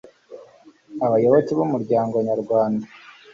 abayoboke bumuryango nyarwanda